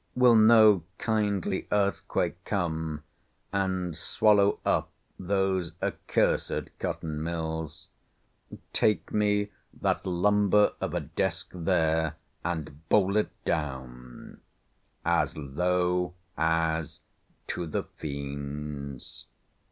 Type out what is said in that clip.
Will no kindly earthquake come and swallow up those accursed cotton mills? Take me that lumber of a desk there, and bowl it down As low as to the fiends.